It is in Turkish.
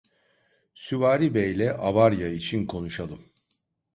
Süvari Bey'le avarya için konuşalım!